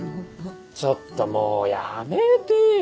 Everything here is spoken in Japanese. ちょっともうやめてよ